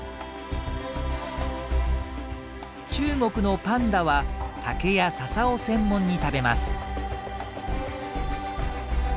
中国のパンダは竹や笹を専門に食べます。